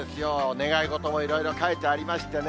願い事もいろいろ書いてありましてね。